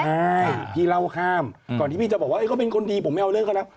ใช่พี่เล่าข้ามก่อนที่พี่จะบอกว่าเขาเป็นคนดีผมไม่เอาเลิกเขาแล้ว